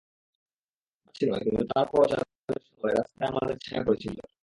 জোস্না ছিল না, কিন্তু তারপরও চাঁদের সামান্য আলোয় রাস্তায় আমাদের ছায়া পড়েছিল।